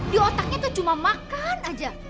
di otaknya itu cuma makan aja